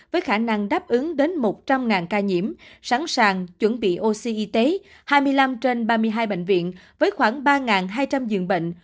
với khả năng đáp ứng đến một trăm linh ca nhiễm sẵn sàng chuẩn bị oxy y tế hai mươi năm trên ba mươi hai bệnh viện với khoảng ba hai trăm linh giường bệnh